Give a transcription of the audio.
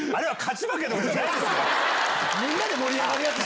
みんなで盛り上がるやつ！